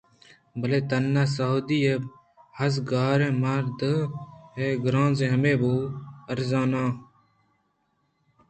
بلئے تناسُدّیءَہَزگاریں مردءِ گرٛانز ہمے بُوءَ آژناہ بُوتاں